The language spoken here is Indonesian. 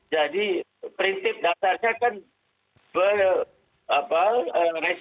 jadi prinsip dasarnya kan restriksi